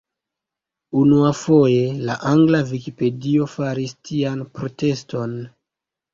Unuafoje la Angla Vikipedio faris tian proteston.